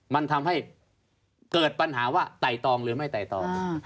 มันทำให้เกิดปัญหาว่าไต่ตองหรือไม่ไต่ตอง